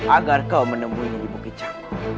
agar kau menemunya di pukit cangkuk